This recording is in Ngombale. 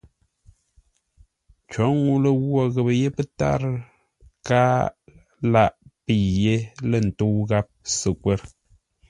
Cǒ ŋuu lə ghwo ghəpə́ yé pə́tárə́, káa láʼ pə́i yé lə̂ ntə́u gháp səkwə̂r.